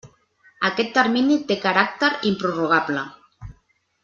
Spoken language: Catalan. Aquest termini té caràcter improrrogable.